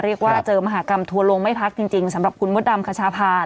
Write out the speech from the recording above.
เรียกว่าเจอมหากรรมทัวร์ลงไม่พักจริงสำหรับคุณมดดำคชาพา